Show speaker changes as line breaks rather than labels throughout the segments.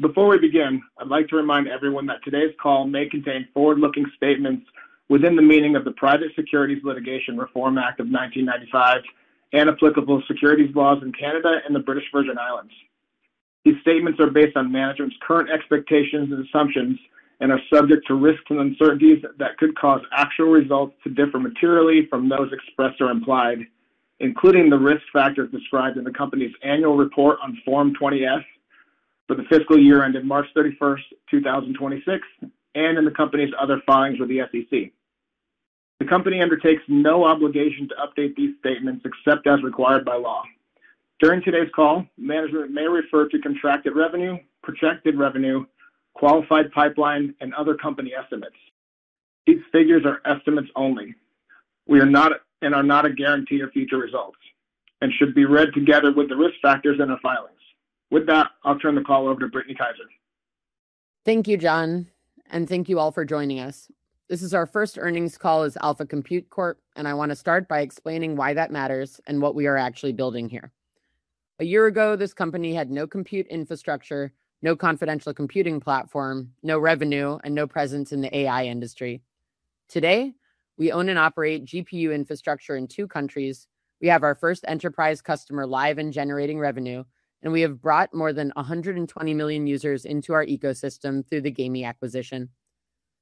Before we begin, I'd like to remind everyone that today's call may contain forward-looking statements within the meaning of the Private Securities Litigation Reform Act of 1995 and applicable securities laws in Canada and the British Virgin Islands. These statements are based on management's current expectations and assumptions and are subject to risks and uncertainties that could cause actual results to differ materially from those expressed or implied, including the risk factors described in the company's annual report on Form 20-F for the fiscal year ended March 31st, 2026, and in the company's other filings with the SEC. The company undertakes no obligation to update these statements except as required by law. During today's call, management may refer to contracted revenue, projected revenue, qualified pipeline, and other company estimates. These figures are estimates only and are not a guarantee of future results and should be read together with the risk factors in our filings. With that, I'll turn the call over to Brittany Kaiser.
Thank you, John, and thank you all for joining us. This is our first earnings call as Alpha Compute Corp, I want to start by explaining why that matters and what we are actually building here. A year ago, this company had no compute infrastructure, no confidential computing platform, no revenue, and no presence in the AI industry. Today, we own and operate GPU infrastructure in two countries, we have our first enterprise customer live and generating revenue, we have brought more than 120 million users into our ecosystem through the GAMEE acquisition.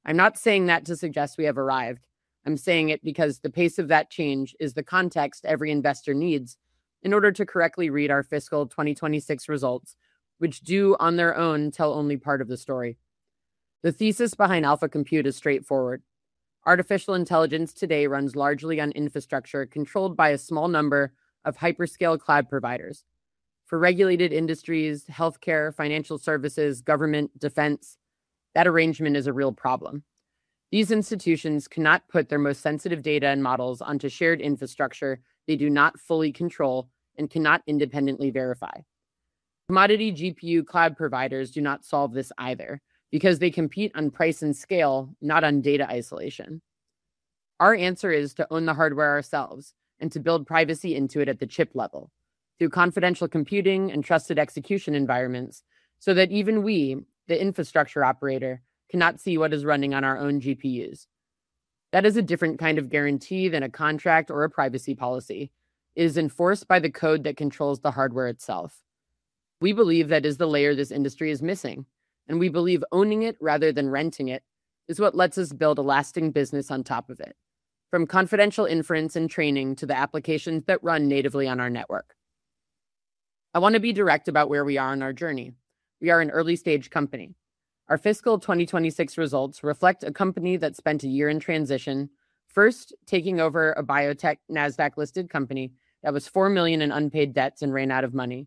I'm not saying that to suggest we have arrived. I'm saying it because the pace of that change is the context every investor needs in order to correctly read our fiscal 2026 results, which do, on their own, tell only part of the story. The thesis behind Alpha Compute is straightforward. Artificial intelligence today runs largely on infrastructure controlled by a small number of hyperscale cloud providers. For regulated industries, healthcare, financial services, government, defense, that arrangement is a real problem. These institutions cannot put their most sensitive data and models onto shared infrastructure they do not fully control and cannot independently verify. Commodity GPU cloud providers do not solve this either, because they compete on price and scale, not on data isolation. Our answer is to own the hardware ourselves and to build privacy into it at the chip level through confidential computing and trusted execution environments, so that even we, the infrastructure operator, cannot see what is running on our own GPUs. That is a different kind of guarantee than a contract or a privacy policy. It is enforced by the code that controls the hardware itself. We believe that is the layer this industry is missing, and we believe owning it rather than renting it is what lets us build a lasting business on top of it, from confidential inference and training to the applications that run natively on our network. I want to be direct about where we are on our journey. We are an early-stage company. Our fiscal 2026 results reflect a company that spent a year in transition, first taking over a biotech Nasdaq-listed company that was $4 million in unpaid debts and ran out of money.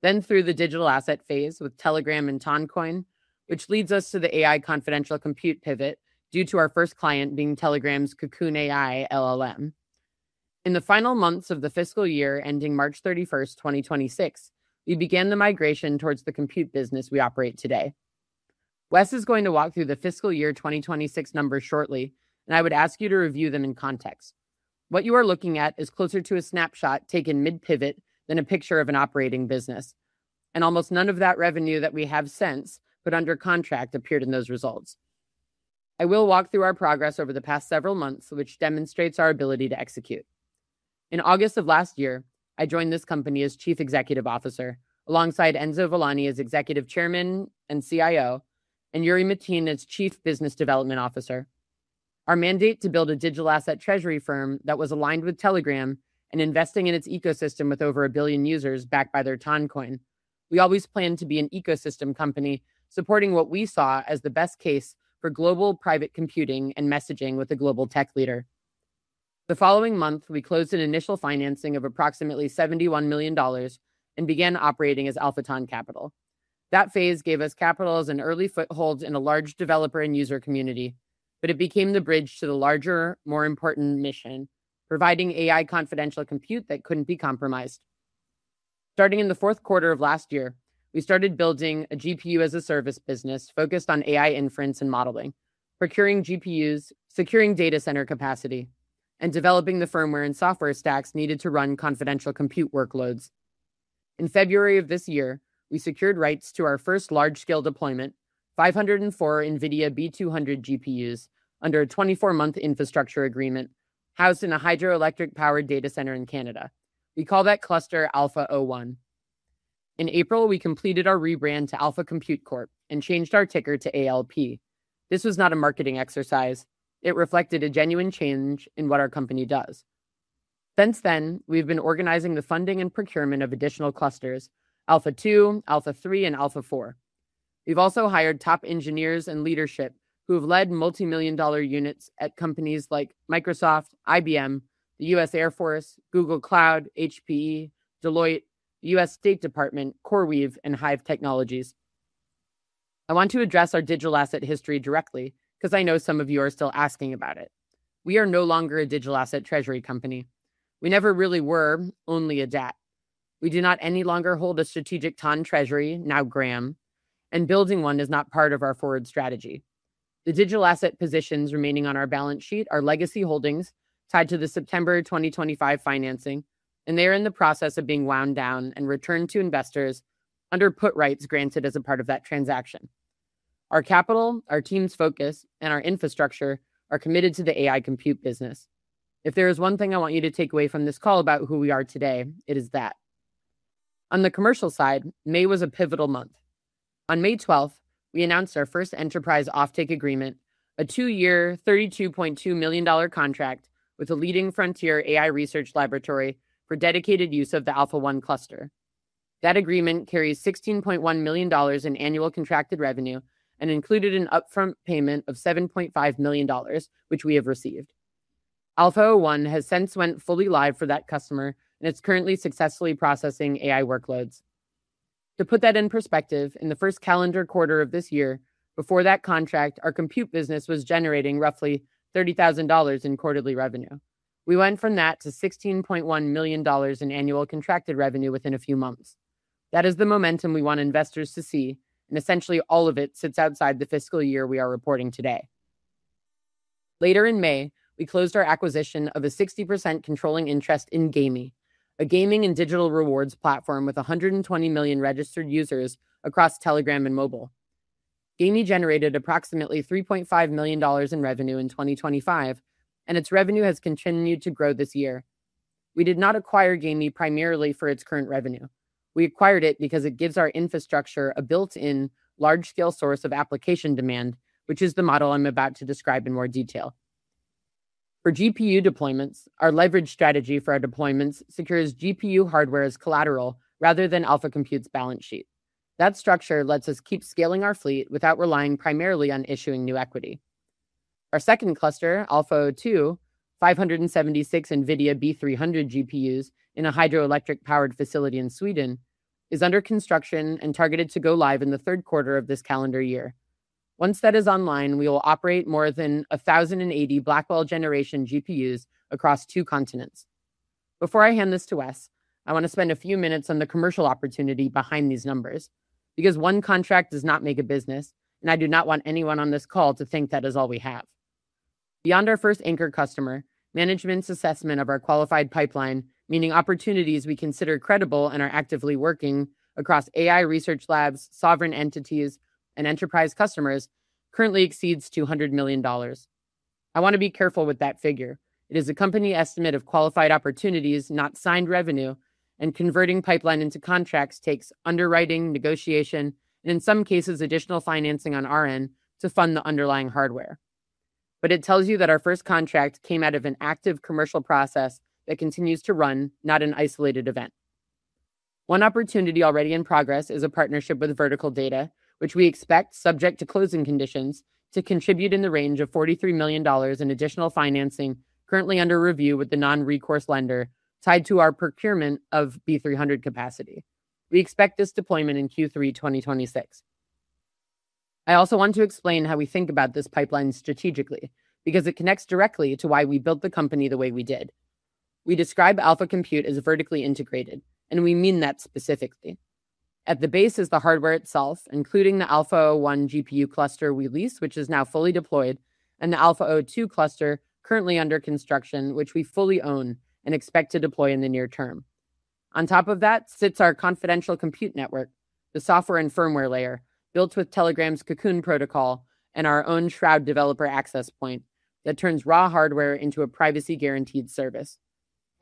Then through the digital asset phase with Telegram and Toncoin, which leads us to the AI confidential compute pivot due to our first client being Telegram's Cocoon AI LLM. In the final months of the fiscal year ending March 31st, 2026, we began the migration towards the compute business we operate today. Wes is going to walk through the fiscal year 2026 numbers shortly, I would ask you to review them in context. What you are looking at is closer to a snapshot taken mid-pivot than a picture of an operating business. Almost none of that revenue that we have since, put under contract, appeared in those results. I will walk through our progress over the past several months, which demonstrates our ability to execute. In August of last year, I joined this company as Chief Executive Officer, alongside Enzo Villani as Executive Chairman and CIO, and Yury Mitin as Chief Business Development Officer. Our mandate to build a digital asset treasury firm that was aligned with Telegram and investing in its ecosystem with over 1 billion users backed by their Toncoin. We always planned to be an ecosystem company supporting what we saw as the best case for global private computing and messaging with a global tech leader. The following month, we closed an initial financing of approximately $71 million and began operating as AlphaTON Capital. That phase gave us capital as an early foothold in a large developer and user community, but it became the bridge to the larger, more important mission, providing AI confidential compute that couldn't be compromised. Starting in the fourth quarter of last year, we started building a GPU-as-a-Service business focused on AI inference and modeling, procuring GPUs, securing data center capacity, and developing the firmware and software stacks needed to run confidential compute workloads. In February of this year, we secured rights to our first large-scale deployment, 504 NVIDIA B200 GPUs under a 24-month infrastructure agreement housed in a hydroelectric-powered data center in Canada. We call that cluster ALPHA-01. In April, we completed our rebrand to Alpha Compute Corp. and changed our ticker to ALP. This was not a marketing exercise. It reflected a genuine change in what our company does. Since then, we've been organizing the funding and procurement of additional clusters, ALPHA-2, ALPHA-3, and ALPHA-4. We've also hired top engineers and leadership who have led multimillion-dollar units at companies like Microsoft, IBM, the U.S. Air Force, Google Cloud, HPE, Deloitte, U.S. State Department, CoreWeave, and HIVE Technologies. I want to address our digital asset history directly because I know some of you are still asking about it. We are no longer a digital asset treasury company. We never really were only a DAPT. We do not any longer hold a strategic TON treasury, now Gram, and building one is not part of our forward strategy. The digital asset positions remaining on our balance sheet are legacy holdings tied to the September 2025 financing. They are in the process of being wound down and returned to investors under put rights granted as a part of that transaction. Our capital, our team's focus, our infrastructure are committed to the AI compute business. If there is one thing I want you to take away from this call about who we are today, it is that. On the commercial side, May was a pivotal month. On May 12, we announced our first enterprise offtake agreement, a two-year, $32.2 million contract with a leading frontier AI research laboratory for dedicated use of the ALPHA-01 cluster. That agreement carries $16.1 million in annual contracted revenue and included an upfront payment of $7.5 million, which we have received. ALPHA-01 has since went fully live for that customer. It's currently successfully processing AI workloads. To put that in perspective, in the first calendar quarter of this year, before that contract, our compute business was generating roughly $30,000 in quarterly revenue. We went from that to $16.1 million in annual contracted revenue within a few months. Essentially all of it sits outside the fiscal year we are reporting today. Later in May, we closed our acquisition of a 60% controlling interest in GAMEE, a gaming and digital rewards platform with 120 million registered users across Telegram and mobile. GAMEE generated approximately $3.5 million in revenue in 2025, and its revenue has continued to grow this year. We did not acquire GAMEE primarily for its current revenue. We acquired it because it gives our infrastructure a built-in large-scale source of application demand, which is the model I'm about to describe in more detail. For GPU deployments, our leverage strategy for our deployments secures GPU hardware as collateral rather than Alpha Compute's balance sheet. That structure lets us keep scaling our fleet without relying primarily on issuing new equity. Our second cluster, ALPHA-02, 576 NVIDIA B300 GPUs in a hydroelectric-powered facility in Sweden, is under construction and targeted to go live in the third quarter of this calendar year. Once that is online, we will operate more than 1,080 Blackwell generation GPUs across two continents. Before I hand this to Wes, I want to spend a few minutes on the commercial opportunity behind these numbers because one contract does not make a business. I do not want anyone on this call to think that is all we have. Beyond our first anchor customer, management's assessment of our qualified pipeline, meaning opportunities we consider credible and are actively working across AI research labs, sovereign entities, and enterprise customers currently exceeds $200 million. I want to be careful with that figure. It is a company estimate of qualified opportunities, not signed revenue. Converting pipeline into contracts takes underwriting, negotiation, in some cases, additional financing on our end to fund the underlying hardware. It tells you that our first contract came out of an active commercial process that continues to run, not an isolated event. One opportunity already in progress is a partnership with Vertical Data, which we expect, subject to closing conditions, to contribute in the range of $43 million in additional financing currently under review with the non-recourse lender tied to our procurement of B300 capacity. We expect this deployment in Q3 2026. I also want to explain how we think about this pipeline strategically because it connects directly to why we built the company the way we did. We describe Alpha Compute as vertically integrated, and we mean that specifically. At the base is the hardware itself, including the ALPHA-01 GPU cluster we lease, which is now fully deployed, and the ALPHA-02 cluster currently under construction, which we fully own and expect to deploy in the near term. On top of that sits our confidential compute network, the software and firmware layer built with Telegram's Cocoon protocol and our own Shroud developer access point that turns raw hardware into a privacy-guaranteed service.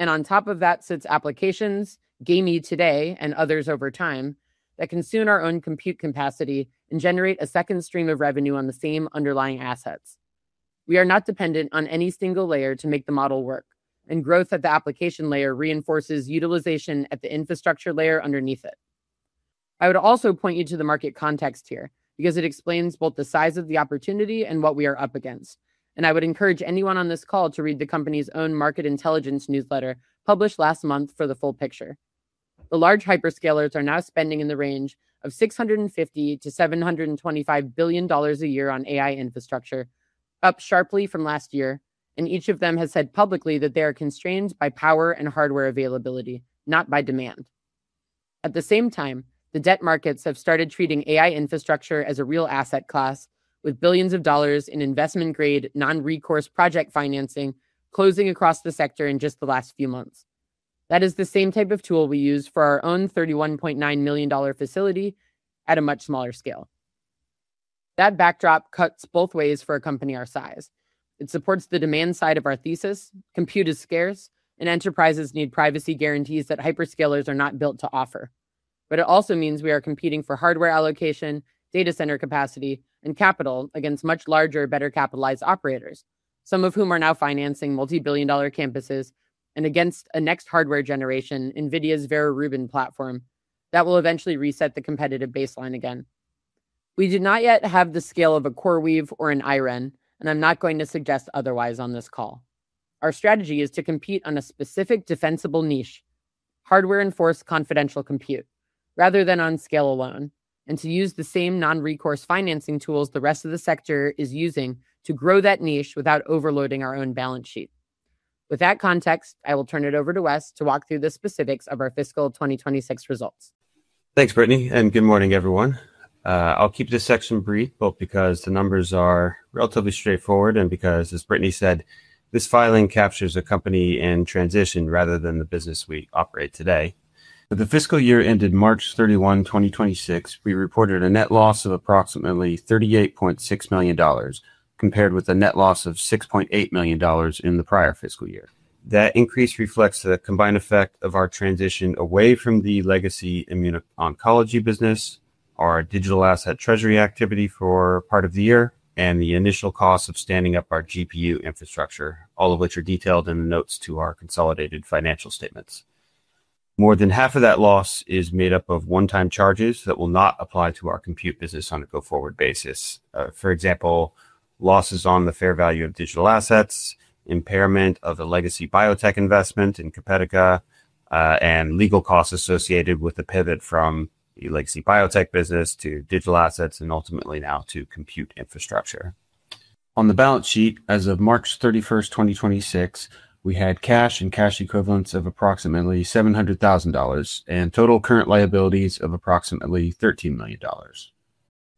On top of that sits applications, GAMEE today and others over time, that consume our own compute capacity and generate a second stream of revenue on the same underlying assets. We are not dependent on any single layer to make the model work, and growth at the application layer reinforces utilization at the infrastructure layer underneath it. I would also point you to the market context here because it explains both the size of the opportunity and what we are up against. I would encourage anyone on this call to read the company's own market intelligence newsletter published last month for the full picture. The large hyperscalers are now spending in the range of $650 billion-$725 billion a year on AI infrastructure, up sharply from last year, and each of them has said publicly that they are constrained by power and hardware availability, not by demand. At the same time, the debt markets have started treating AI infrastructure as a real asset class with billions of dollars in investment-grade, non-recourse project financing closing across the sector in just the last few months. That is the same type of tool we use for our own $31.9 million facility at a much smaller scale. That backdrop cuts both ways for a company our size. It supports the demand side of our thesis. Compute is scarce, and enterprises need privacy guarantees that hyperscalers are not built to offer. But it also means we are competing for hardware allocation, data center capacity, and capital against much larger, better-capitalized operators, some of whom are now financing multibillion-dollar campuses and against a next hardware generation, NVIDIA's Vera Rubin platform, that will eventually reset the competitive baseline again. We do not yet have the scale of a CoreWeave or an IREN, and I'm not going to suggest otherwise on this call. Our strategy is to compete on a specific defensible niche, hardware-enforced confidential compute rather than on scale alone, and to use the same non-recourse financing tools the rest of the sector is using to grow that niche without overloading our own balance sheet. With that context, I will turn it over to Wes to walk through the specifics of our fiscal 2026 results.
Thanks, Brittany, and good morning, everyone. I'll keep this section brief, both because the numbers are relatively straightforward and because, as Brittany said, this filing captures a company in transition rather than the business we operate today. For the fiscal year ended March 31, 2026, we reported a net loss of approximately $38.6 million, compared with a net loss of $6.8 million in the prior fiscal year. That increase reflects the combined effect of our transition away from the legacy immuno-oncology business, our digital asset treasury activity for part of the year, and the initial cost of standing up our GPU infrastructure, all of which are detailed in the notes to our consolidated financial statements. More than half of that loss is made up of one-time charges that will not apply to our compute business on a go-forward basis. For example, losses on the fair value of digital assets, impairment of the legacy biotech investment in Compedica, legal costs associated with the pivot from the legacy biotech business to digital assets, and ultimately now to compute infrastructure. On the balance sheet as of March 31st, 2026, we had cash and cash equivalents of approximately $700,000 and total current liabilities of approximately $13 million.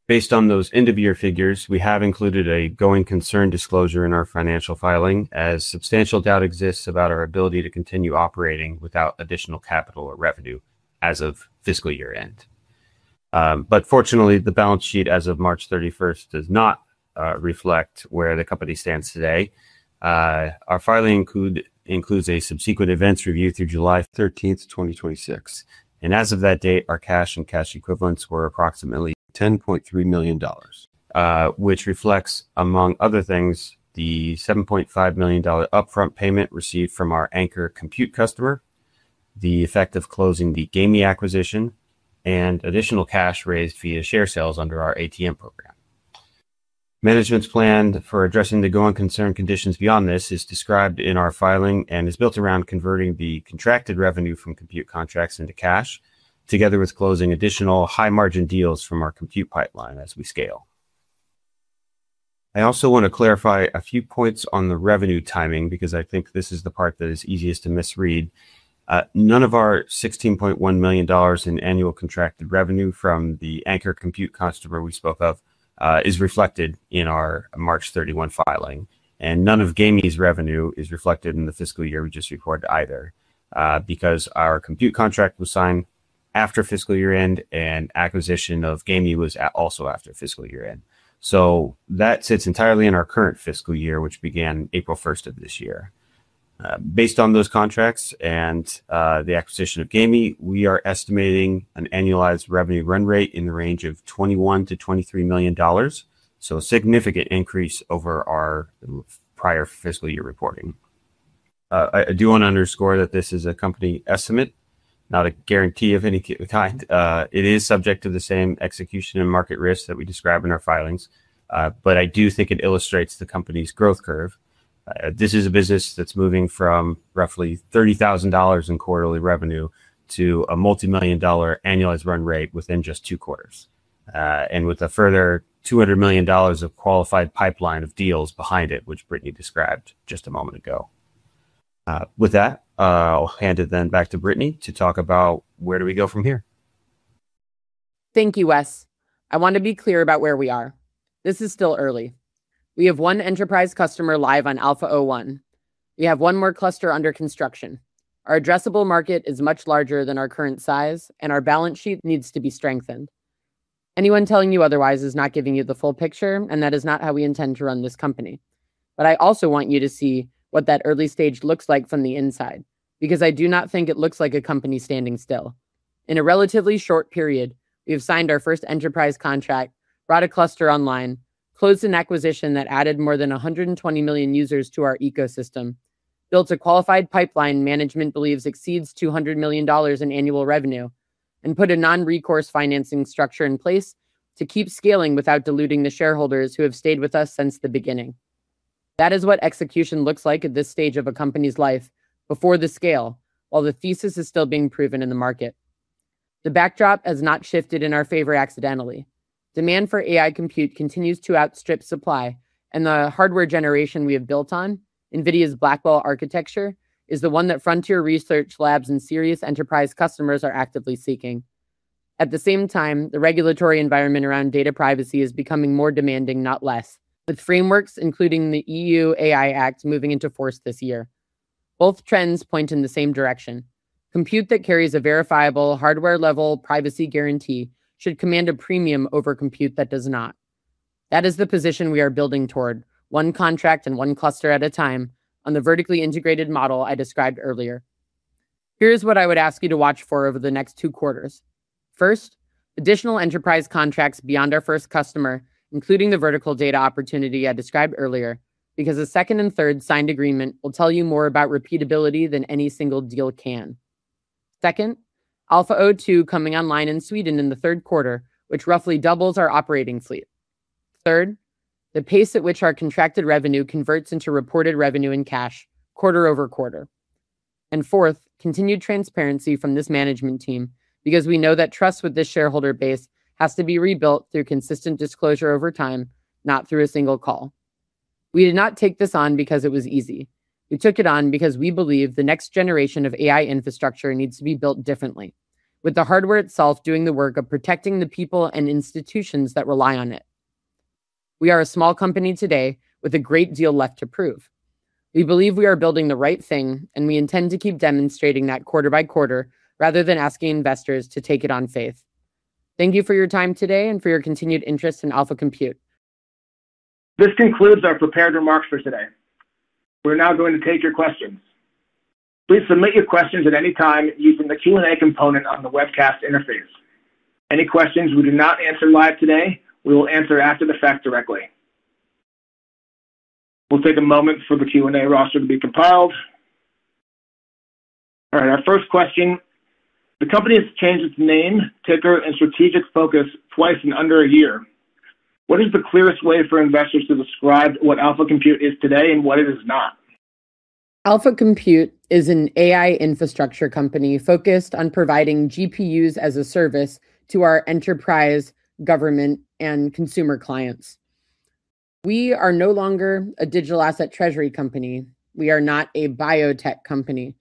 Based on those end-of-year figures, we have included a going concern disclosure in our financial filing, as substantial doubt exists about our ability to continue operating without additional capital or revenue as of fiscal year-end. Fortunately, the balance sheet as of March 31st does not reflect where the company stands today. Our filing includes a subsequent events review through July 13th, 2026, as of that date, our cash and cash equivalents were approximately $10.3 million, which reflects, among other things, the $7.5 million upfront payment received from our anchor compute customer, the effect of closing the GAMEE acquisition, and additional cash raised via share sales under our ATM program. Management's plan for addressing the going concern conditions beyond this is described in our filing and is built around converting the contracted revenue from compute contracts into cash, together with closing additional high-margin deals from our compute pipeline as we scale. I also want to clarify a few points on the revenue timing, because I think this is the part that is easiest to misread. None of our $16.1 million in annual contracted revenue from the anchor compute customer we spoke of is reflected in our March 31 filing, none of GAMEE's revenue is reflected in the fiscal year we just reported either, because our compute contract was signed after fiscal year-end, acquisition of GAMEE was also after fiscal year-end. That sits entirely in our current fiscal year, which began April 1st of this year. Based on those contracts and the acquisition of GAMEE, we are estimating an annualized revenue run-rate in the range of $21 million-$23 million. A significant increase over our prior fiscal year reporting. I do want to underscore that this is a company estimate, not a guarantee of any kind. It is subject to the same execution and market risks that we describe in our filings. I do think it illustrates the company's growth curve. This is a business that's moving from roughly $30,000 in quarterly revenue to a multimillion-dollar annualized run-rate within just two quarters. With a further $200 million of qualified pipeline of deals behind it, which Brittany described just a moment ago. With that, I'll hand it then back to Brittany to talk about where do we go from here?
Thank you, Wes. I want to be clear about where we are. This is still early. We have one enterprise customer live on ALPHA-01. We have one more cluster under construction. Our addressable market is much larger than our current size, our balance sheet needs to be strengthened. Anyone telling you otherwise is not giving you the full picture, that is not how we intend to run this company. I also want you to see what that early stage looks like from the inside, because I do not think it looks like a company standing still. In a relatively short period, we have signed our first enterprise contract, brought a cluster online, closed an acquisition that added more than 120 million users to our ecosystem, built a qualified pipeline management believes exceeds $200 million in annual revenue, and put a non-recourse financing structure in place to keep scaling without diluting the shareholders who have stayed with us since the beginning. That is what execution looks like at this stage of a company's life, before the scale, while the thesis is still being proven in the market. The backdrop has not shifted in our favor accidentally. Demand for AI compute continues to outstrip supply, and the hardware generation we have built on, NVIDIA's Blackwell architecture, is the one that frontier research labs and serious enterprise customers are actively seeking. At the same time, the regulatory environment around data privacy is becoming more demanding, not less, with frameworks including the EU AI Act moving into force this year. Both trends point in the same direction. Compute that carries a verifiable hardware-level privacy guarantee should command a premium over compute that does not. That is the position we are building toward, one contract and one cluster at a time, on the vertically integrated model I described earlier. Here's what I would ask you to watch for over the next two quarters. First, additional enterprise contracts beyond our first customer, including the vertical data opportunity I described earlier, because a second and third signed agreement will tell you more about repeatability than any single deal can. Second, ALPHA-02 coming online in Sweden in the third quarter, which roughly doubles our operating fleet. Third, the pace at which our contracted revenue converts into reported revenue and cash quarter-over-quarter. Fourth, continued transparency from this management team, because we know that trust with this shareholder base has to be rebuilt through consistent disclosure over time, not through a single call. We did not take this on because it was easy. We took it on because we believe the next generation of AI infrastructure needs to be built differently. With the hardware itself doing the work of protecting the people and institutions that rely on it. We are a small company today with a great deal left to prove. We believe we are building the right thing, and we intend to keep demonstrating that quarter-by-quarter, rather than asking investors to take it on faith. Thank you for your time today and for your continued interest in Alpha Compute.
This concludes our prepared remarks for today. We are now going to take your questions. Please submit your questions at any time using the Q&A component on the webcast interface. Any questions we do not answer live today, we will answer after the fact directly. We will take a moment for the Q&A roster to be compiled. All right. Our first question. The company has changed its name, ticker, and strategic focus twice in under a year. What is the clearest way for investors to describe what Alpha Compute is today and what it is not?
Alpha Compute is an AI infrastructure company focused on providing GPU-as-a-Service to our enterprise, government, and consumer clients. We are no longer a digital asset treasury company. We are not a biotech company.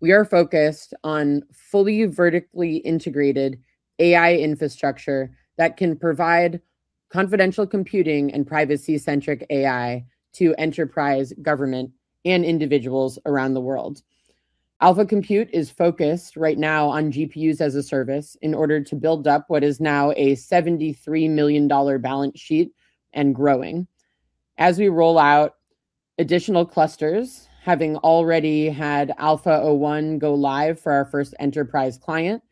We are focused on fully vertically integrated AI infrastructure that can provide confidential computing and privacy-centric AI to enterprise, government, and individuals around the world. Alpha Compute is focused right now on GPU-as-a-Service in order to build up what is now a $73 million balance sheet and growing. As we roll out additional clusters, having already had ALPHA-01 go live for our first enterprise client,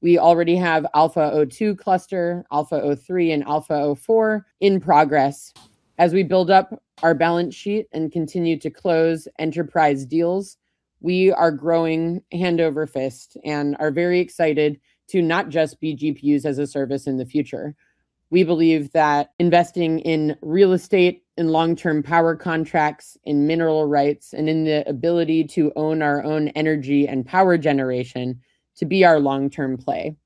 we already have ALPHA-02 cluster, ALPHA-03, and ALPHA-04 in progress. As we build up our balance sheet and continue to close enterprise deals, we are growing hand over fist and are very excited to not just be GPU-as-a-Service in the future. We believe that investing in real estate, in long-term power contracts, in mineral rights, and in the ability to own our own energy and power generation to be our long-term play.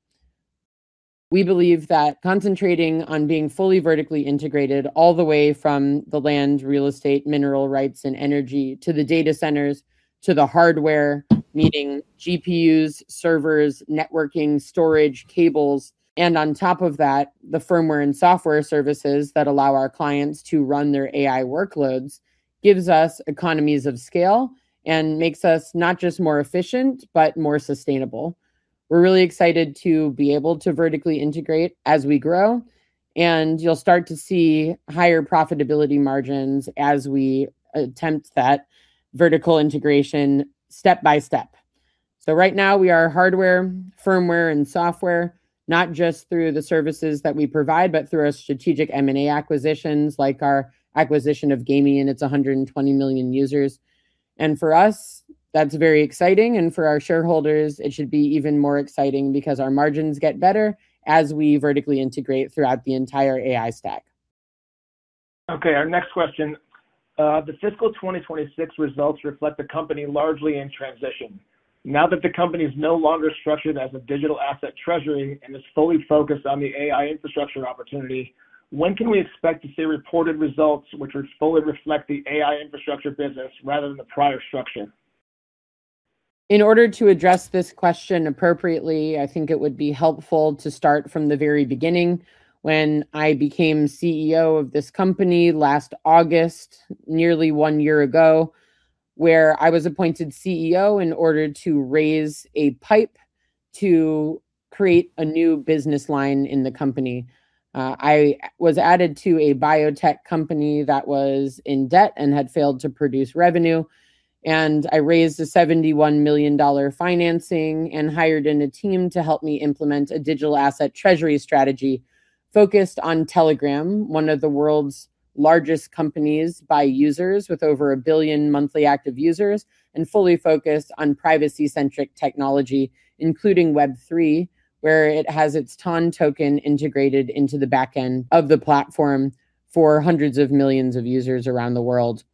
We believe that concentrating on being fully vertically integrated all the way from the land, real estate, mineral rights, and energy, to the data centers, to the hardware, meaning GPUs, servers, networking, storage, cables, and on top of that, the firmware and software services that allow our clients to run their AI workloads, gives us economies of scale and makes us not just more efficient, but more sustainable. We're really excited to be able to vertically integrate as we grow, and you'll start to see higher profitability margins as we attempt that vertical integration step by step. Right now, we are hardware, firmware, and software, not just through the services that we provide, but through our strategic M&A acquisitions, like our acquisition of GAMEE and its 120 million users. For us, that's very exciting. For our shareholders, it should be even more exciting because our margins get better as we vertically integrate throughout the entire AI stack.
Okay. Our next question. The fiscal 2026 results reflect the company largely in transition. Now that the company is no longer structured as a digital asset treasury and is fully focused on the AI infrastructure opportunity, when can we expect to see reported results which would fully reflect the AI infrastructure business rather than the prior structure?
In order to address this question appropriately, I think it would be helpful to start from the very beginning, when I became CEO of this company last August, nearly one year ago, where I was appointed CEO in order to raise a pipe to create a new business line in the company. I was added to a biotech company that was in debt and had failed to produce revenue, and I raised a $71 million financing and hired in a team to help me implement a digital asset treasury strategy focused on Telegram, one of the world's largest companies by users, with over a billion monthly active users, and fully focused on privacy-centric technology, including Web3, where it has its TON token integrated into the back end of the platform for hundreds of millions of users around the world.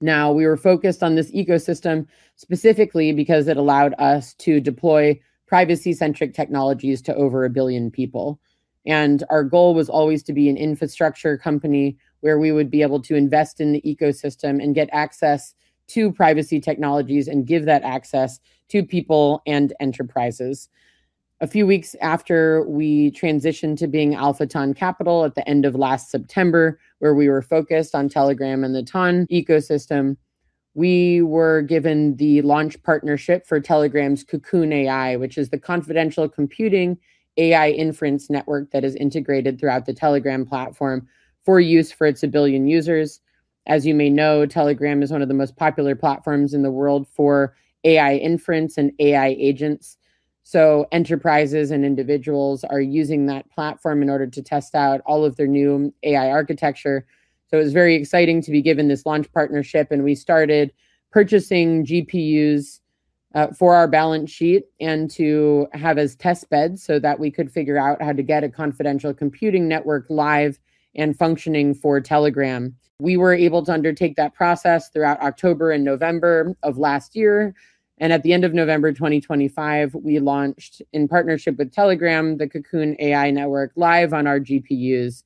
We were focused on this ecosystem specifically because it allowed us to deploy privacy-centric technologies to over a billion people. Our goal was always to be an infrastructure company where we would be able to invest in the ecosystem and get access to privacy technologies and give that access to people and enterprises. A few weeks after we transitioned to being AlphaTON Capital at the end of last September, where we were focused on Telegram and the TON ecosystem, we were given the launch partnership for Telegram's Cocoon AI, which is the confidential computing AI inference network that is integrated throughout the Telegram platform for use for its a billion users. As you may know, Telegram is one of the most popular platforms in the world for AI inference and AI agents. Enterprises and individuals are using that platform in order to test out all of their new AI architecture. It was very exciting to be given this launch partnership, and we started purchasing GPUs for our balance sheet and to have as testbeds so that we could figure out how to get a confidential computing network live and functioning for Telegram. We were able to undertake that process throughout October and November of last year. At the end of November 2025, we launched, in partnership with Telegram, the Cocoon AI network live on our GPUs.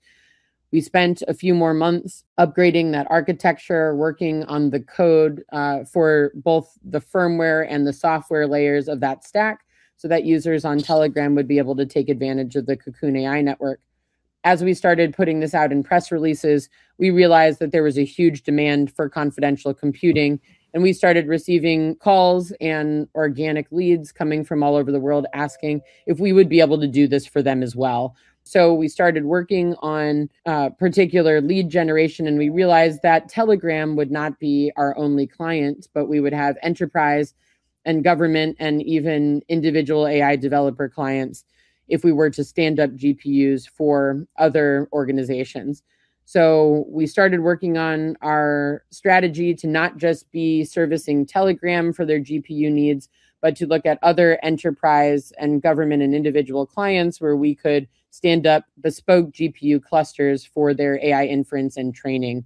We spent a few more months upgrading that architecture, working on the code for both the firmware and the software layers of that stack so that users on Telegram would be able to take advantage of the Cocoon AI network. As we started putting this out in press releases, we realized that there was a huge demand for confidential computing, and we started receiving calls and organic leads coming from all over the world, asking if we would be able to do this for them as well. We started working on particular lead generation, and we realized that Telegram would not be our only client, but we would have enterprise and government and even individual AI developer clients if we were to stand up GPUs for other organizations. We started working on our strategy to not just be servicing Telegram for their GPU needs, but to look at other enterprise and government and individual clients where we could stand up bespoke GPU clusters for their AI inference and training.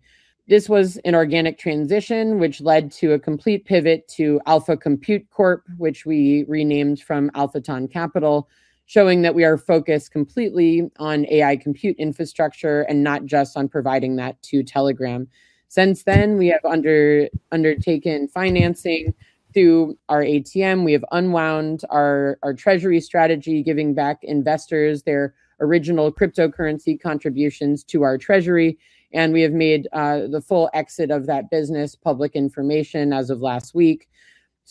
This was an organic transition, which led to a complete pivot to Alpha Compute Corp, which we renamed from AlphaTON Capital, showing that we are focused completely on AI compute infrastructure and not just on providing that to Telegram. Since then, we have undertaken financing through our ATM. We have unwound our treasury strategy, giving back investors their original cryptocurrency contributions to our treasury, and we have made the full exit of that business public information as of last week.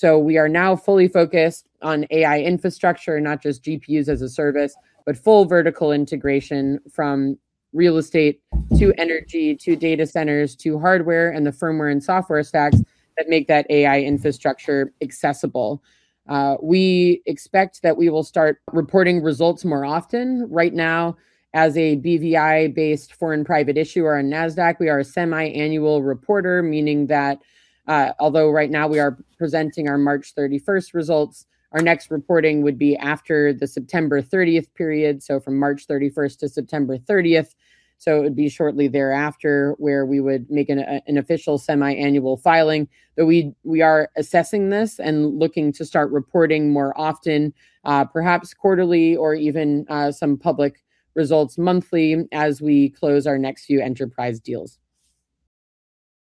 We are now fully focused on AI infrastructure, not just GPU-as-a-Service, but full vertical integration from real estate to energy to data centers to hardware and the firmware and software stacks that make that AI infrastructure accessible. We expect that we will start reporting results more often. Right now, as a BVI-based foreign private issuer on Nasdaq, we are a semi-annual reporter, meaning that although right now we are presenting our March 31st results, our next reporting would be after the September 30th period, from March 31st to September 30th. It would be shortly thereafter where we would make an official semi-annual filing. We are assessing this and looking to start reporting more often, perhaps quarterly or even some public results monthly as we close our next few enterprise deals.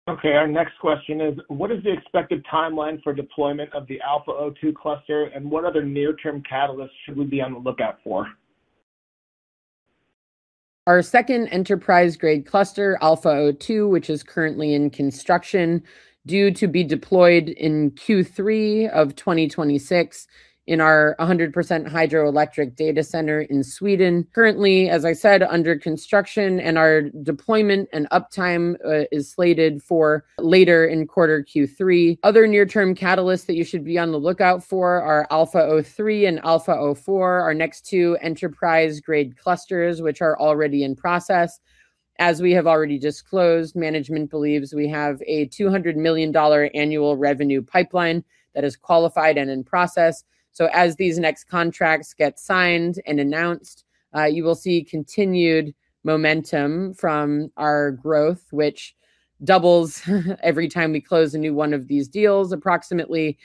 Okay. Our next question is, what is the expected timeline for deployment of the ALPHA-02 cluster, and what other near-term catalysts should we be on the lookout for?
Our second enterprise-grade cluster, ALPHA-02, which is currently in construction, due to be deployed in Q3 2026 in our 100% hydroelectric data center in Sweden. Currently, as I said, under construction, our deployment and uptime is slated for later in Q3. Other near-term catalysts that you should be on the lookout for are ALPHA-03 and ALPHA-04, our next two enterprise-grade clusters, which are already in process. As we have already disclosed, management believes we have a $200 million annual revenue pipeline that is qualified and in process. As these next contracts get signed and announced, you will see continued momentum from our growth, which doubles every time we close a new one of these deals, approximately.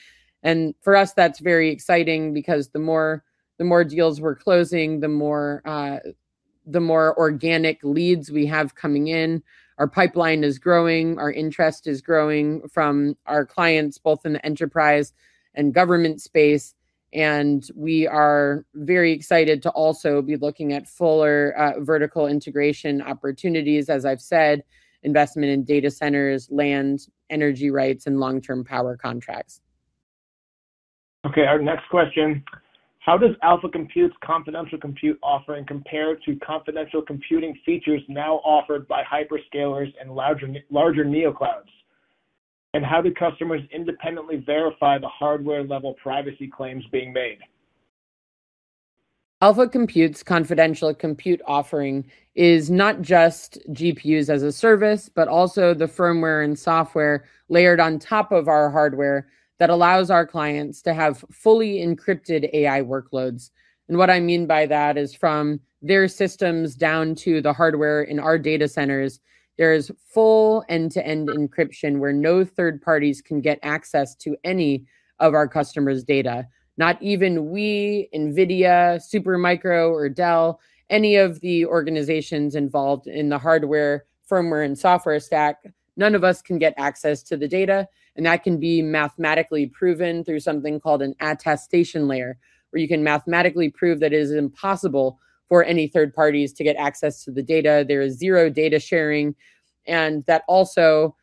For us, that's very exciting because the more deals we're closing, the more organic leads we have coming in. Our pipeline is growing. Our interest is growing from our clients, both in the enterprise and government space. We are very excited to also be looking at fuller vertical integration opportunities as I've said, investment in data centers, land, energy rights, and long-term power contracts.
Okay, our next question. How does Alpha Compute's confidential compute offering compare to confidential computing features now offered by hyperscalers and larger Neoclouds? How do customers independently verify the hardware-level privacy claims being made?
Alpha Compute's confidential compute offering is not just GPUs-as-a-service, but also the firmware and software layered on top of our hardware that allows our clients to have fully encrypted AI workloads. What I mean by that is from their systems down to the hardware in our data centers, there is full end-to-end encryption where no third parties can get access to any of our customers' data. Not even we, NVIDIA, Supermicro, or Dell, any of the organizations involved in the hardware, firmware, and software stack, none of us can get access to the data, and that can be mathematically proven through something called an attestation layer, where you can mathematically prove that it is impossible for any third-parties to get access to the data. There is zero data sharing, and that also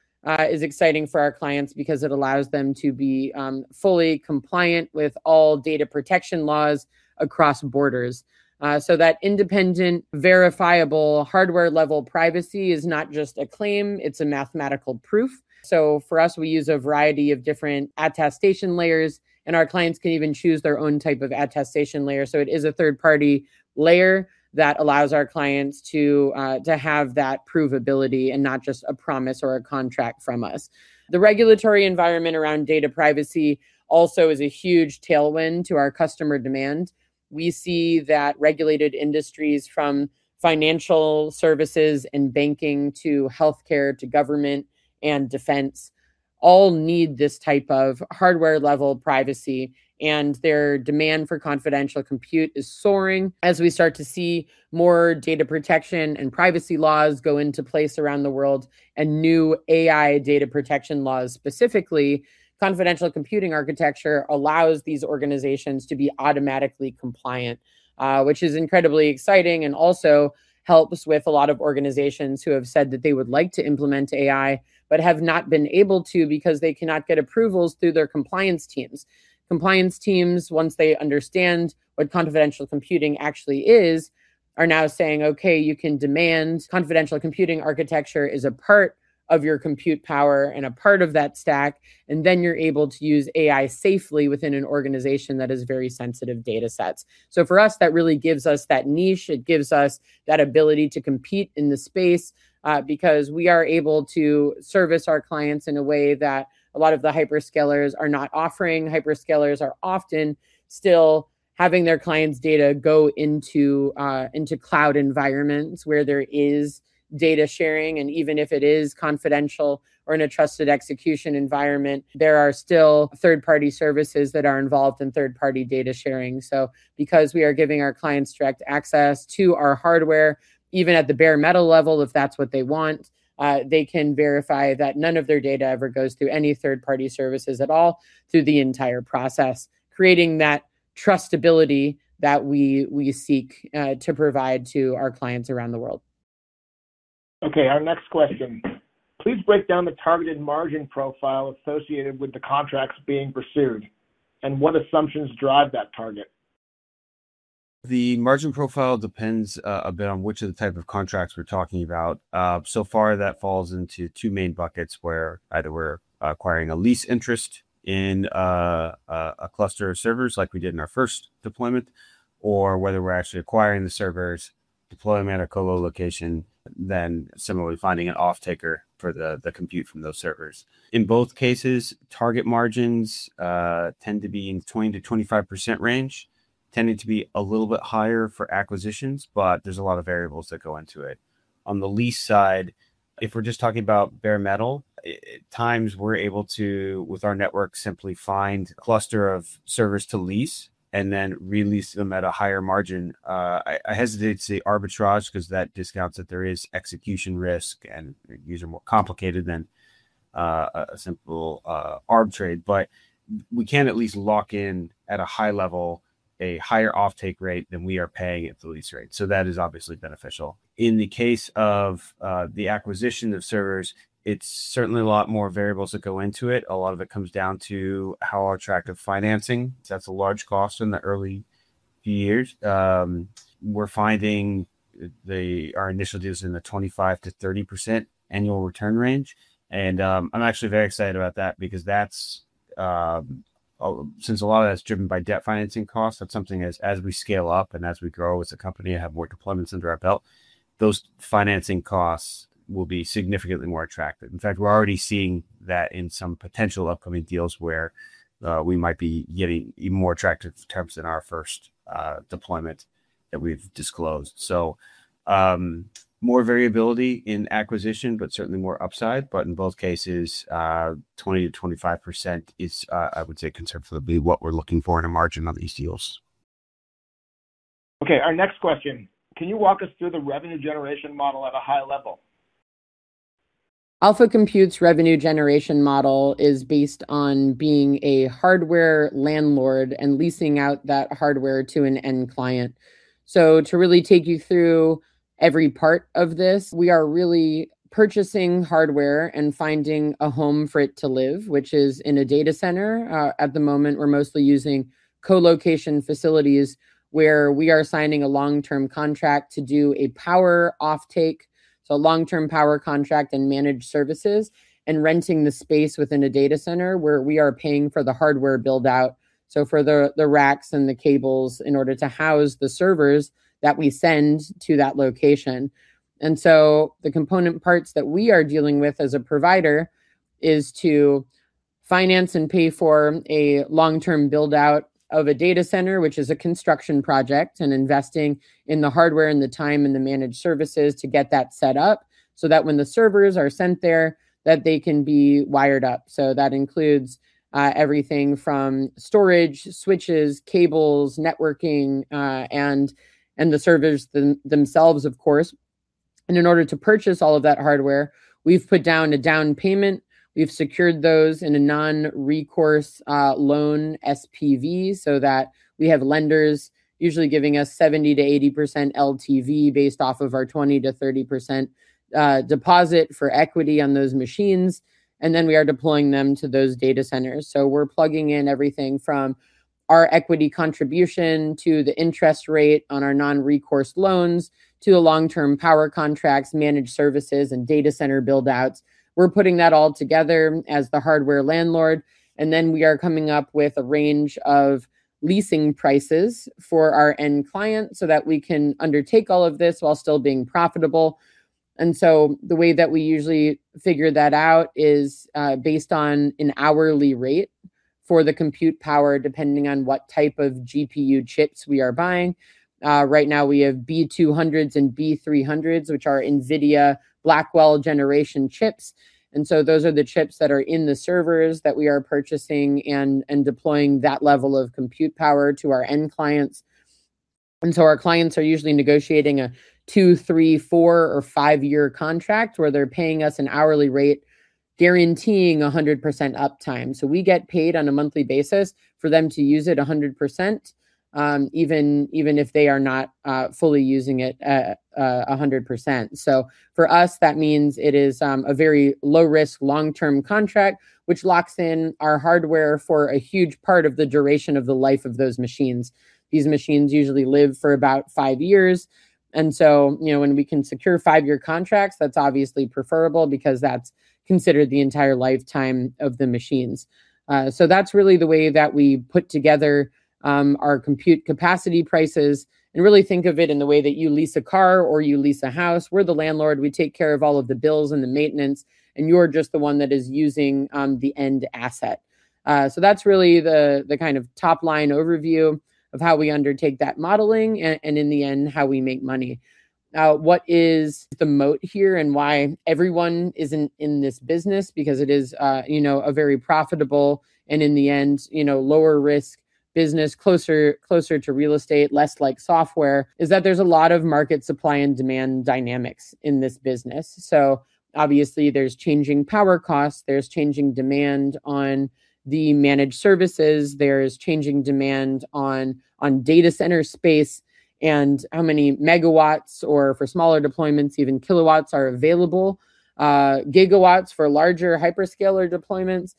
is exciting for our clients because it allows them to be fully compliant with all data protection laws across borders. That independent, verifiable, hardware-level privacy is not just a claim, it's a mathematical proof. For us, we use a variety of different attestation layers, and our clients can even choose their own type of attestation layer. It is a third-party layer that allows our clients to have that provability and not just a promise or a contract from us. The regulatory environment around data privacy also is a huge tailwind to our customer demand. We see that regulated industries from financial services and banking to healthcare, to government and defense, all need this type of hardware-level privacy, and their demand for confidential compute is soaring. As we start to see more data protection and privacy laws go into place around the world, new AI data protection laws, specifically, confidential computing architecture allows these organizations to be automatically compliant, which is incredibly exciting and also helps with a lot of organizations who have said that they would like to implement AI but have not been able to because they cannot get approvals through their compliance teams. Compliance teams, once they understand what confidential computing actually is, are now saying, okay, you can demand confidential computing architecture is a part of your compute power and a part of that stack, and then you're able to use AI safely within an organization that is very sensitive data sets. For us, that really gives us that niche. It gives us that ability to compete in the space, because we are able to service our clients in a way that a lot of the hyperscalers are not offering. Hyperscalers are often still having their clients' data go into cloud environments where there is data sharing, and even if it is confidential or in a trusted execution environment, there are still third-party services that are involved in third-party data sharing. Because we are giving our clients direct access to our hardware, even at the bare metal level if that's what they want, they can verify that none of their data ever goes through any third-party services at all through the entire process, creating that trustability that we seek to provide to our clients around the world.
Okay, our next question. Please break down the targeted margin profile associated with the contracts being pursued, and what assumptions drive that target?
The margin profile depends a bit on which of the type of contracts we're talking about. So far, that falls into two main buckets where either we're acquiring a lease interest in a cluster of servers like we did in our first deployment, or whether we're actually acquiring the servers, deploying them at a co-location, then similarly finding an offtaker for the compute from those servers. In both cases, target margins tend to be in 20%-25% range, tending to be a little bit higher for acquisitions, but there's a lot of variables that go into it. On the lease side, if we're just talking about bare metal, at times we're able to, with our network, simply find cluster of servers to lease and then re-lease them at a higher margin. I hesitate to say arbitrage because that discounts that there is execution risk and these are more complicated than a simple arm trade. We can at least lock in at a high level a higher offtake rate than we are paying at the lease rate. That is obviously beneficial. In the case of the acquisition of servers, it's certainly a lot more variables that go into it. A lot of it comes down to how attractive financing, because that's a large cost in the early few years. We're finding our initial deals in the 25%-30% annual return range. I'm actually very excited about that because since a lot of that's driven by debt financing costs, that's something as we scale up and as we grow as a company and have more deployments under our belt, those financing costs will be significantly more attractive. In fact, we're already seeing that in some potential upcoming deals where we might be getting even more attractive terms than our first deployment that we've disclosed. More variability in acquisition, but certainly more upside. In both cases, 20%-25% is, I would say, conservatively what we're looking for in a margin on these deals.
Our next question. Can you walk us through the revenue generation model at a high level?
Alpha Compute's revenue generation model is based on being a hardware landlord and leasing out that hardware to an end client. To really take you through every part of this, we are really purchasing hardware and finding a home for it to live, which is in a data center. At the moment, we're mostly using co-location facilities where we are signing a long-term contract to do a power offtake, so a long-term power contract and managed services, and renting the space within a data center where we are paying for the hardware build-out. For the racks and the cables in order to house the servers that we send to that location. The component parts that we are dealing with as a provider is to finance and pay for a long-term build-out of a data center, which is a construction project, and investing in the hardware and the time and the managed services to get that set up, so that when the servers are sent there, that they can be wired up. That includes everything from storage, switches, cables, networking, and the servers themselves, of course. In order to purchase all of that hardware, we've put down a down payment. We've secured those in a non-recourse loan SPV, so that we have lenders usually giving us 70%-80% LTV based off of our 20%-30% deposit for equity on those machines, and then we are deploying them to those data centers. We're plugging in everything from our equity contribution to the interest rate on our non-recourse loans, to the long-term power contracts, managed services, and data center build-outs. We're putting that all together as the hardware landlord, then we are coming up with a range of leasing prices for our end client so that we can undertake all of this while still being profitable. The way that we usually figure that out is based on an hourly rate for the compute power, depending on what type of GPU chips we are buying. Right now we have B200s and B300s, which are NVIDIA Blackwell generation chips. Those are the chips that are in the servers that we are purchasing and deploying that level of compute power to our end clients. Our clients are usually negotiating a two-, three-, four-, or five-year contract where they're paying us an hourly rate, guaranteeing 100% uptime. We get paid on a monthly basis for them to use it 100%, even if they are not fully using it at 100%. For us, that means it is a very low-risk, long-term contract, which locks in our hardware for a huge part of the duration of the life of those machines. These machines usually live for about five years. When we can secure five-year contracts, that's obviously preferable because that's considered the entire lifetime of the machines. That's really the way that we put together our compute capacity prices and really think of it in the way that you lease a car or you lease a house. We're the landlord. We take care of all of the bills and the maintenance, and you're just the one that is using the end asset. That's really the top-line overview of how we undertake that modeling and, in the end, how we make money. What is the moat here and why everyone isn't in this business because it is a very profitable and in the end, lower risk business, closer to real estate, less like software, is that there's a lot of market supply and demand dynamics in this business. Obviously there's changing power costs, there's changing demand on the managed services, there's changing demand on data center space and how many megawatts, or for smaller deployments, even kilowatts are available. Gigawatts for larger hyperscaler deployments.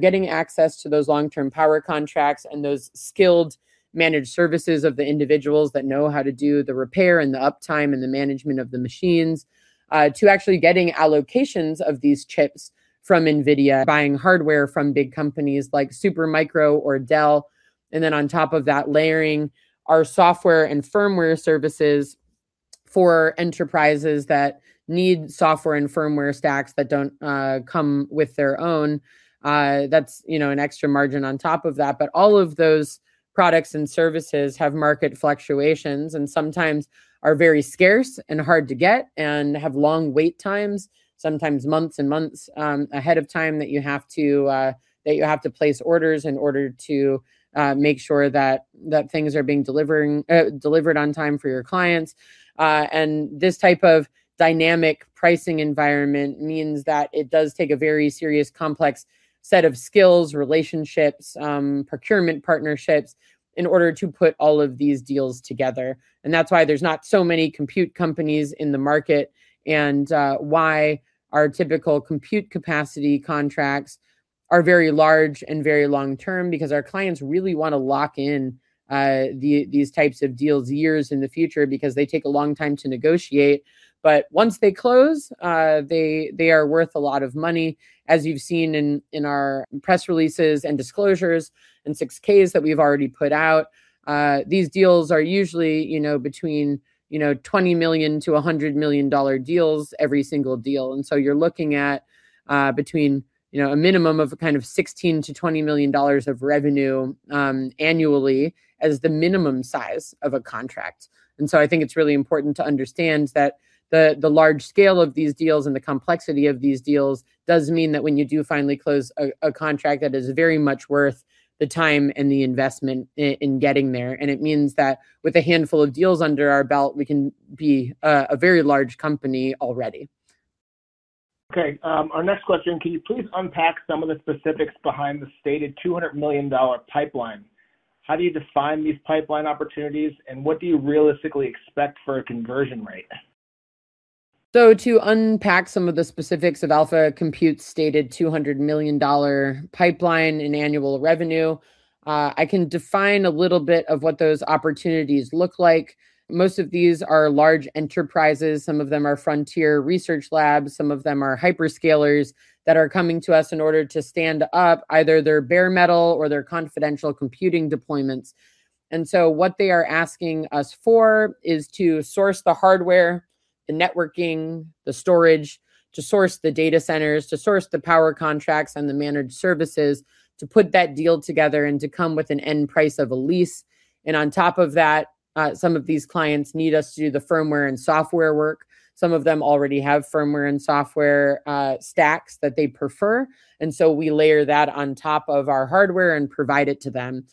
Getting access to those long-term power contracts and those skilled managed services of the individuals that know how to do the repair and the uptime and the management of the machines, to actually getting allocations of these chips from NVIDIA, buying hardware from big companies like Supermicro or Dell. On top of that, layering our software and firmware services for enterprises that need software and firmware stacks that don't come with their own. That's an extra margin on top of that. All of those products and services have market fluctuations and sometimes are very scarce and hard to get and have long wait times, sometimes months and months ahead of time that you have to place orders in order to make sure that things are being delivered on time for your clients. This type of dynamic pricing environment means that it does take a very serious complex set of skills, relationships, procurement partnerships in order to put all of these deals together. That's why there's not so many compute companies in the market and why our typical compute capacity contracts are very large and very long-term because our clients really want to lock in these types of deals years in the future because they take a long time to negotiate. Once they close, they are worth a lot of money. As you've seen in our press releases and disclosures and 6-Ks that we've already put out, these deals are usually between $20 million-$100 million deals every single deal. You're looking at between a minimum of $16 million-$20 million of revenue annually as the minimum size of a contract. I think it's really important to understand that the large scale of these deals and the complexity of these deals does mean that when you do finally close a contract, that is very much worth the time and the investment in getting there. It means that with a handful of deals under our belt, we can be a very large company already.
Okay. Our next question, can you please unpack some of the specifics behind the stated $200 million pipeline? How do you define these pipeline opportunities, and what do you realistically expect for a conversion rate?
To unpack some of the specifics of Alpha Compute's stated $200 million pipeline in annual revenue, I can define a little bit of what those opportunities look like. Most of these are large enterprises. Some of them are frontier research labs, some of them are hyperscalers that are coming to us in order to stand up either their bare metal or their confidential computing deployments. What they are asking us for is to source the hardware, the networking, the storage, to source the data centers, to source the power contracts and the managed services, to put that deal together and to come with an end price of a lease. On top of that, some of these clients need us to do the firmware and software work. Some of them already have firmware and software stacks that they prefer, we layer that on top of our hardware and provide it to them.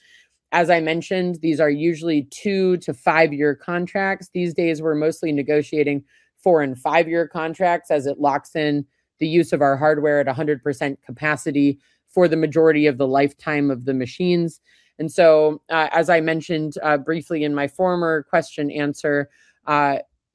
As I mentioned, these are usually two- to five-year contracts. These days, we're mostly negotiating four- and five-year contracts as it locks in the use of our hardware at 100% capacity for the majority of the lifetime of the machines. As I mentioned briefly in my former question-answer,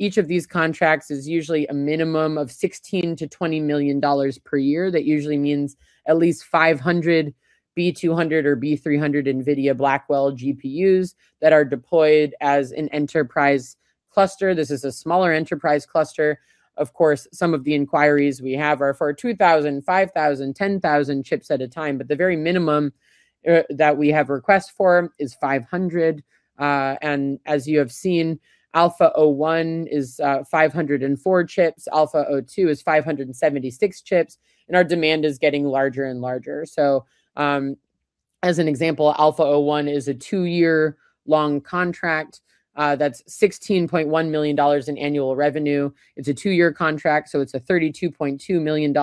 each of these contracts is usually a minimum of $16 million-$20 million per year. That usually means at least 500 B200 or B300 NVIDIA Blackwell GPUs that are deployed as an enterprise cluster. This is a smaller enterprise cluster. Of course, some of the inquiries we have are for 2,000, 5,000, 10,000 chips at a time. But the very minimum that we have requests for is 500. As you have seen, ALPHA-01 is 504 chips, ALPHA-02 is 576 chips, and our demand is getting larger and larger. As an example, ALPHA-01 is a two-year-long contract. That's $16.1 million in annual revenue. It's a two-year contract, so it's a $32.2 million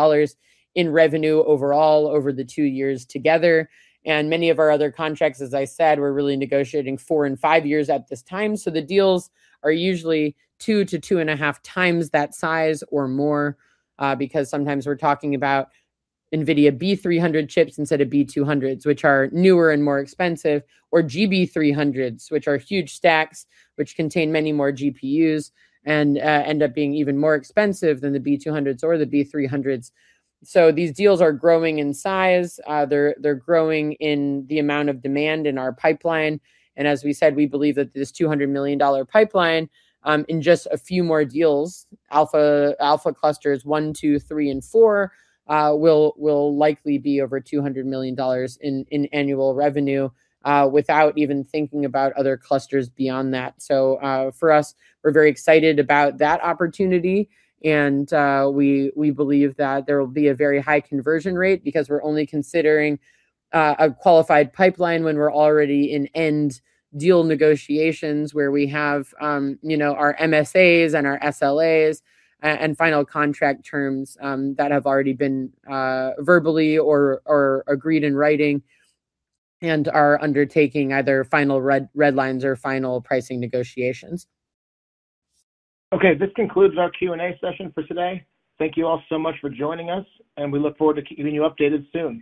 in revenue overall over the two years together. Many of our other contracts, as I said, we're really negotiating four- and five-years at this time. The deals are usually 2x to 2.5x that size or more, because sometimes we're talking about NVIDIA B300 chips instead of B200s, which are newer and more expensive, or GB300s, which are huge stacks, which contain many more GPUs and end up being even more expensive than the B200s or the B300s. These deals are growing in size. They're growing in the amount of demand in our pipeline. As we said, we believe that this $200 million pipeline, in just a few more deals, ALPHA Clusters 01, 02, 03, and 04 will likely be over $200 million in annual revenue without even thinking about other clusters beyond that. For us, we're very excited about that opportunity, and we believe that there will be a very high conversion rate because we're only considering a qualified pipeline when we're already in end deal negotiations where we have our MSAs and our SLAs and final contract terms that have already been verbally or agreed in writing and are undertaking either final redlines or final pricing negotiations.
Okay. This concludes our Q&A session for today. Thank you all so much for joining us, and we look forward to keeping you updated soon.